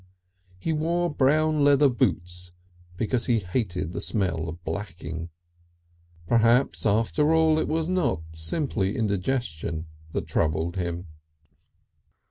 He wore brown leather boots because he hated the smell of blacking. Perhaps after all it was not simply indigestion that troubled him.